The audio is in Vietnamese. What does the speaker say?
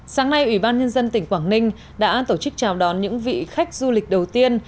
sáng nay ủy ban nhân dân tỉnh quảng ninh đã tổ chức chào đón những vị khách du lịch đầu tiên